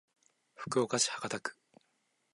福岡市博多区